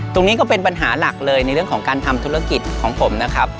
ก็เป็นปัญหาหลักเลยในเรื่องของการทำธุรกิจของผมนะครับ